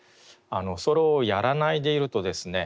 それをやらないでいるとですね